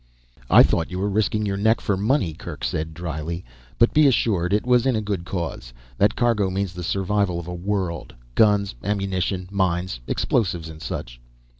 "I thought you were risking your neck for money," Kerk said dryly. "But be assured it was in a good cause. That cargo means the survival of a world. Guns, ammunition, mines, explosives and such."